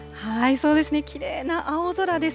そうですね、きれいな青空です。